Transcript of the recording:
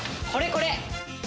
これこれ。